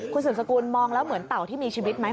คุณสืบสกุลมองแล้วเหมือนเต่าที่มีชีวิตไหม